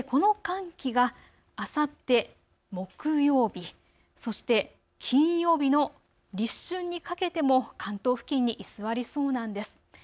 そしてこの寒気があさって木曜日、そして金曜日の立春にかけても関東付近に居座りそうなんです。